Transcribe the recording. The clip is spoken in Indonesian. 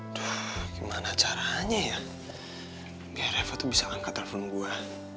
udah gimana caranya ya biar reva tuh bisa angkat telepon gue